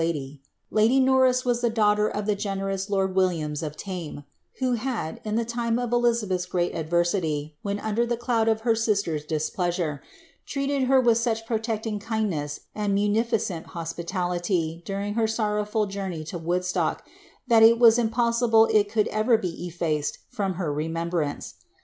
Lady Norris was the daughter of the generous lord Williams of Tame, who hftd, in the time of Elizabeth's great adversity, when under the cloud of her sister's displeasure, treated her with such protecting kindness and mnnificent hospitality during her sorrowful journey to Woodstock, tliat it was impossible it could ever be effiiced from her remembrance.